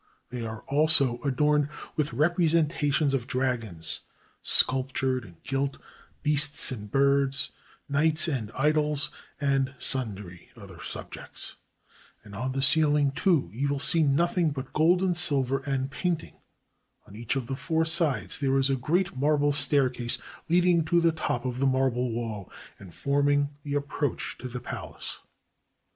They are also adorned with representations of dragons, sculptured and gilt, beasts and birds, knights and idols, and sundry other subjects. And on the ceiling, too, you see nothing but gold and silver and painting. On each of the four sides there is a great marble staircase leading to the top of the marble wall and forming the approach to the palace.